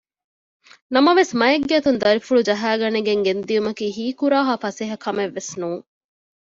ނަމަވެސް މައެއްގެ އަތުން ދަރިފުޅު ޖަހައިގަނެގެން ގެންދިއުމަކީ ހީކުރާހާ ފަސޭހަ ކަމެއްވެސް ނޫން